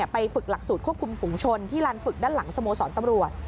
ไปฝึกหลักสูตรควบคุมฝุงชนที่ลานฝึกด้านหลังสโมสรตำรวจ